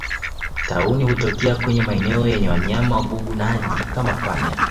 Tauni hutokea kwenye maeneo yenye wanyama wagugunaji kama panya